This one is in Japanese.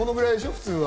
普通は。